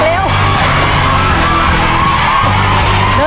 เดย์เร็วลูกเดย์